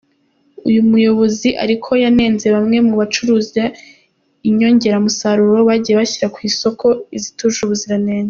Uyu muyobozi ariko yanenze bamwe mu bacuruza inyongeramusaruro bagiye bashyira ku isoko izitujuje ubuzirange.